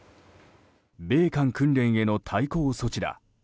米韓訓練への対抗措置だ。